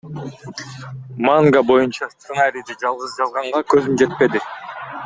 Манга боюнча сценарийди жалгыз жазганга көзүм жетпеди.